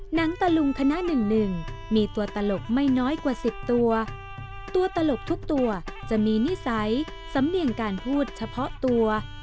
หนังตะลุงคณะหนึ่งหนึ่งมีตัวตลกไม่น้อยกว่า๑๐ตัวตัวตลกทุกตัวจะมีนิสัยสำเนียงการพูดเฉพาะตัว